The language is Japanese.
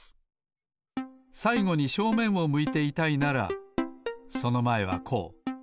さいごに正面を向いていたいならそのまえはこう。